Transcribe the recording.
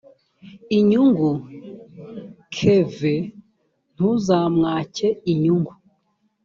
inyungu kv ntuzamwake inyungu